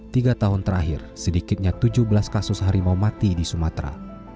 tiga tahun terakhir sedikitnya tujuh belas kasus harimau mati di sumatera